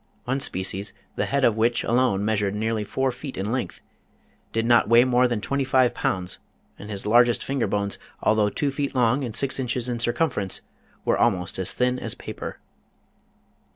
One species, the head of which alone measured nearly four feet in length, did not weigh more than twenty five pounds, and his largest finger bones, although two feet long and six inches in circumference, were almost as thin as paper